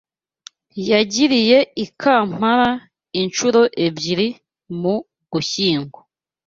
yagiriye i Kampala inshuro ebyiri mu Ugushyingo